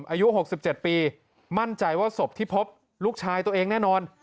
อายุ๖๗ปีมั่นใจว่าศพที่พบลูกชายตัวเองแน่นอน